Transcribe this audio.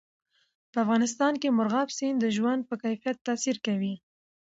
په افغانستان کې مورغاب سیند د ژوند په کیفیت تاثیر کوي.